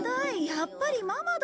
やっぱりママだよ。